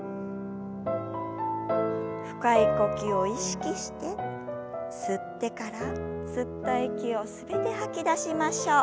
深い呼吸を意識して吸ってから吸った息を全て吐き出しましょう。